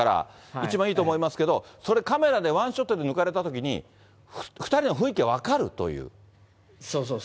一番いいと思いますけど、それ、カメラでワンショットで抜かれたときに、２人の雰囲気が分かるとそうそうそう。